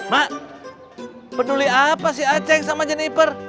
mak peduli apa sih aceh sama jenniper